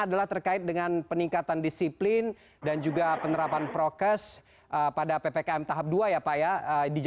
selamat sore pak surya